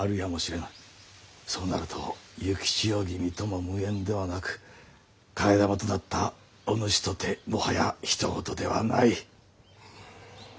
そうなると幸千代君とも無縁ではなく替え玉となったおぬしとてもはやひと事ではない。